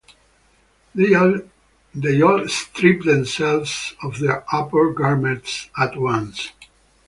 They all strip themselves of their upper garments at once.